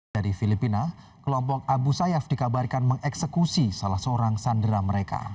dari filipina kelompok abu sayyaf dikabarkan mengeksekusi salah seorang sandera mereka